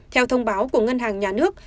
theo thông báo của ngân hàng nhà nước